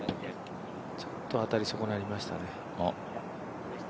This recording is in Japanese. ちょっと当たり損なりましたね。